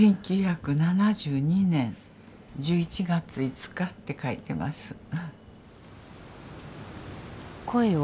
１９７２年１１月５日って書いてます。